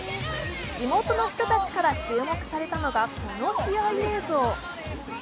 地元の人たちから注目されたのはこの試合映像。